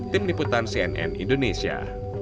tim liputan cnn indonesia